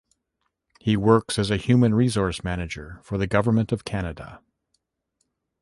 He works as a human resources manager for the Government of Canada.